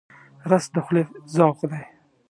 رس د خولې ذوق دی